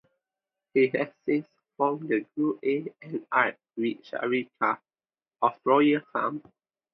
He has since formed the group A and R with Sharecka of Royal Fam.